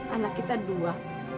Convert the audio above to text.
anak kita dua